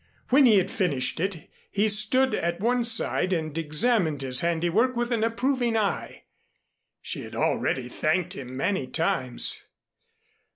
When he had finished it he stood at one side and examined his handiwork with an approving eye. She had already thanked him many times.